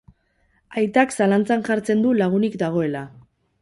Aitak zalantzan jartzen du lagunik dagoela.